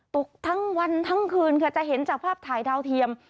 ตกทั้งวันทั้งคืนค่ะจะเห็นจากภาพถ่ายดาวเทียม